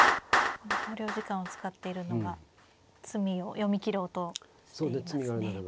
考慮時間を使っているのは詰みを読み切ろうとしていますね。